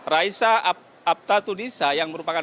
raisa apta tulisa yang merupakan